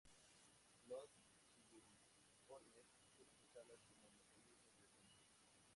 Los siluriformes suelen usarlas como mecanismo de defensa.